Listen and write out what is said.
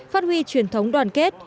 phát huy truyền thống đoàn kết